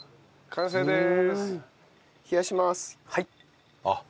完成でーす！